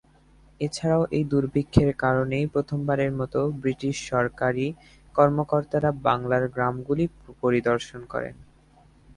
এছাড়াও এই দুর্ভিক্ষের কারণে প্রথমবারের মতো ব্রিটিশ সরকারী কর্মকর্তারা বাংলার গ্রামগুলি পরিদর্শন করে।